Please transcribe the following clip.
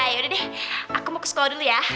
yaudah deh aku mau ke sekolah dulu ya